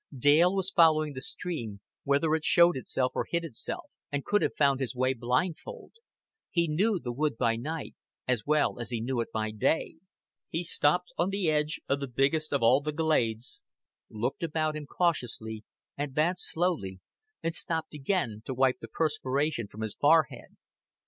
Dale was following the stream, whether it showed itself or hid itself, and could have found his way blindfold. He knew the wood by night as well as he knew it by day. He stopped on the edge of the biggest of all the glades, looked about him cautiously, advanced slowly, and stopped again to wipe the perspiration from his forehead.